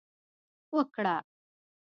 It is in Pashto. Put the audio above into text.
وکړه